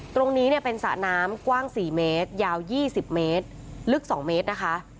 ตรงนี้เนี่ยเป็นสระน้ำกว้าง๔เมตรยาว๒๐เมตรลึก๒เมตรนะคะ